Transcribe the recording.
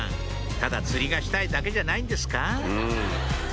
ただ釣りがしたいだけじゃないんですか？